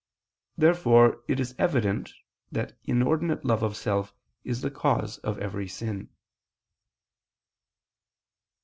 Therefore it is evident that inordinate love of self is the cause of every sin.